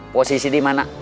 posisi di mana